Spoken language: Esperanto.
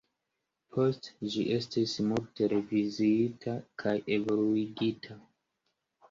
Poste, ĝi estis multe reviziita kaj evoluigita.